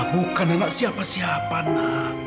bukan anak siapa siapa nna